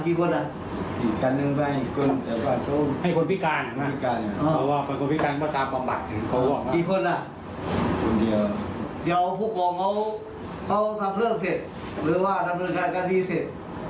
เดี๋ยวให้ซื้อใหม่เลย๕คันไม่เอาผู้โครงเป็นประหยัดเลยอ่านะออกจากตารางไปหาพี่เขา